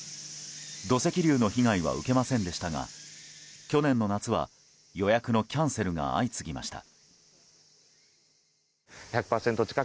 土石流の被害は受けませんでしたが去年の夏は、予約のキャンセルが相次ぎました。